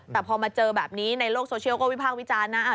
แต่พอมาเจอแบบนี้ในโลกโซเชียลก็วิพากษ์วิจารณ์นะ